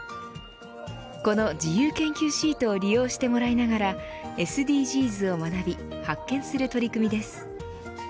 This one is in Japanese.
この自由研究シートを利用してもらいながらＳＤＧｓを学び発見する取り組みです。